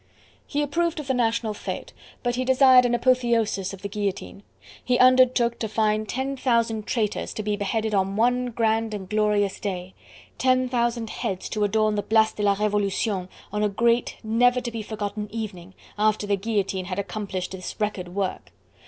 He approved of the National fete, but he desired an apotheosis of the guillotine; he undertook to find ten thousand traitors to be beheaded on one grand and glorious day: ten thousand heads to adorn the Place de la Revolution on a great, never to be forgotten evening, after the guillotine had accomplished this record work.